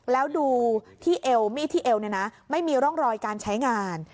แล้วดูที่เอวมีดที่เอวเนี่ยนะไม่มีร่องรอยการใช้งาน